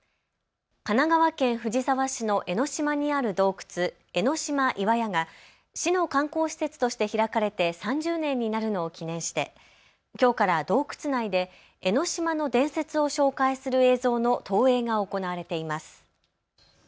神奈川県藤沢市の江の島にある洞窟、江の島岩屋が市の観光施設として開かれて３０年になるのを記念してきょうから洞窟内で江の島の伝説を紹介する映像の投影が行われています。